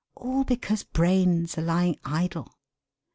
All because brains are lying idle!